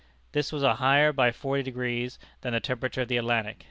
This was higher by forty degrees than the temperature of the Atlantic.